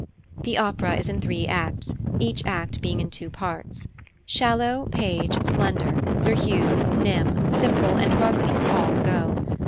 The opera is in three acts, each act being in two parts. Shallow, Page, Slender, Sir Hugh, Nym, Simple, and Rugby all go.